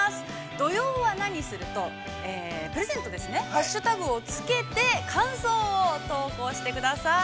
「土曜はナニする」と「プレゼント」ですね、ハッシュタグを付けて、感想を投稿してください。